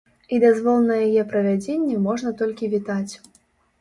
І дазвол на яе правядзенне можна толькі вітаць.